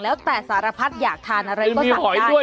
แล้วแต่สารพัดอยากทานอะไรก็สั่งได้